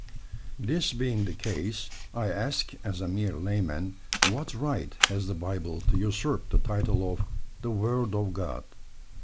This being the case, I ask, as a mere layman, what right has the Bible to usurp the title of "the word of God"?